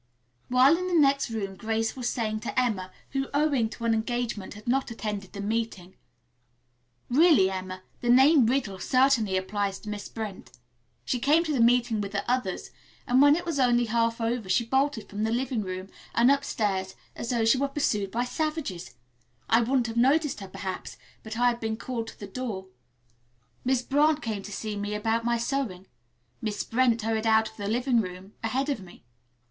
While in the next room Grace was saying to Emma, who, owing to an engagement, had not attended the meeting, "Really, Emma, the name 'Riddle' certainly applies to Miss Brent. She came to the meeting with the others, and when it was only half over she bolted from the living room and upstairs as though she were pursued by savages. I wouldn't have noticed her, perhaps, but I had been called to the door. Mrs. Brant came to see me about my sewing. Miss Brent hurried out of the living room ahead of me.